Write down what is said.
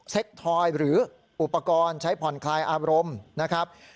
ทอยหรืออุปกรณ์ใช้ผ่อนคลายอารมณ์นะครับ